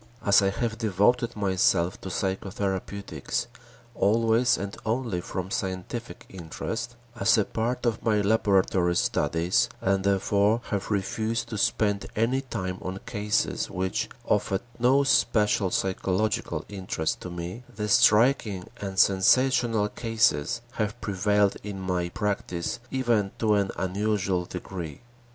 As I have devoted myself to psychotherapeutics, always and only from scientific interest, as a part of my laboratory studies and therefore have refused to spend any time on cases which offered no special psychological interest to me, the striking and sensational cases have prevailed in my practice even to an unusual degree.